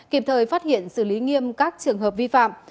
kịp thời phát hiện xử lý nghiêm các trường hợp vi phạm